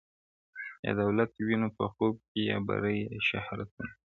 یا دولت وینو په خوب کي یا بری یا شهرتونه -